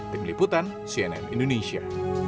tim liputan cnn indonesia